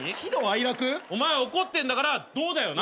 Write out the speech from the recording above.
お前は怒ってんだから「怒」だよな。